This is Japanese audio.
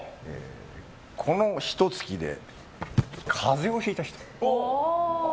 このひと月で風邪をひいた人。